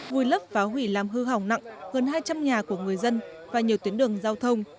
vùi lấp phá hủy làm hư hỏng nặng hơn hai trăm linh nhà của người dân và nhiều tuyến đường giao thông